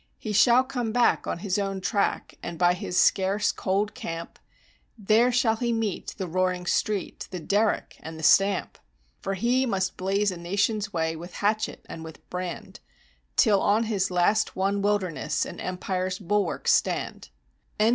"He shall come back on his own track, and by his scarce cool camp, There shall he meet the roaring street, the derrick and the stamp; For he must blaze a nation's way with hatchet and with brand, Till on his last won wilderness an empire's bulwarks stand."